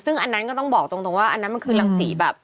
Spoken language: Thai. ซึ่งอันนั้นก็ต้องบอกตรงว่าอันนั้นมันคือรังสีแบบ